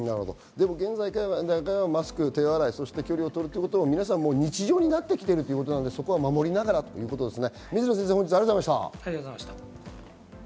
現段階はマスク、手洗い、距離を取るということを皆さん、日常になってきているので皆さんそこ守りながらということですね。